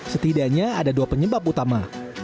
setidaknya ada dua penyebab utama